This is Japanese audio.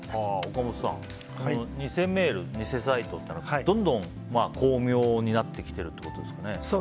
岡本さん偽メール、偽サイトってどんどん巧妙になってきているということですかね。